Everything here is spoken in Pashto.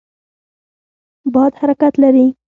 باد حرکت لري.